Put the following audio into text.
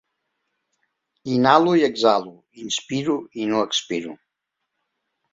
Inhalo i exhalo, inspiro i no expiro.